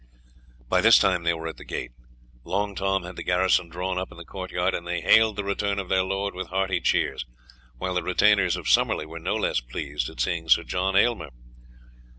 By this time they were at the gate. Long Tom had the garrison drawn up in the court yard, and they hailed the return of their lord with hearty cheers, while the retainers of Summerley were no less pleased at seeing Sir John Aylmer.